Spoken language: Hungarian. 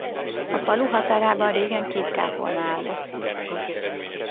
A falu határában régen két kápolna állott.